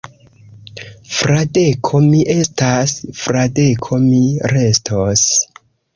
Fradeko mi estas; Fradeko mi restos.